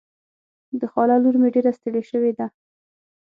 د خاله لور مې ډېره ستړې شوې ده.